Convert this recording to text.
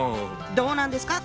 どうなんですか？